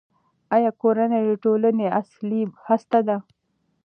آیا کورنۍ د ټولنې اصلي هسته ده؟